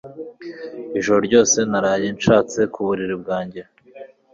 ijoro ryose naraye nshatse ku buriri bwanjye